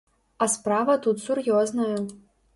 А справа тут сур'ёзная.